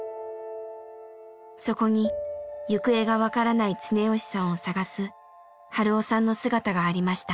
そこに行方が分からない常吉さんを捜す春雄さんの姿がありました。